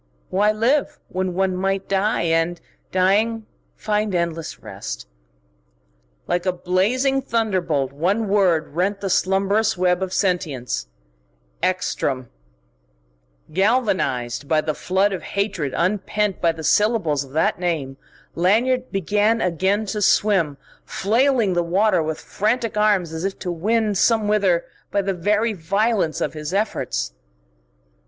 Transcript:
Why live, when one might die and, dying, find endless rest? Like a blazing thunderbolt one word rent the slumbrous web of sentience: Ekstrom! Galvanised by the flood of hatred unpent by the syllables of that name, Lanyard began again to swim, flailing the water with frantic arms as if to win somewhither by the very violence of his efforts.